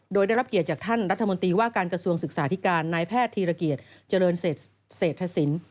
โดยได้รับเกียรติจากท่านรัฐมนตรีว่าการกระทรวงศึกษาธิการนายแพทย์ธีรเกียจเจริญเศรษฐศิลป์